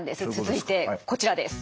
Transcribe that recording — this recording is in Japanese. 続いてこちらです。